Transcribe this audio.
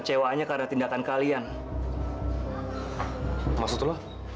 seperti tu bingung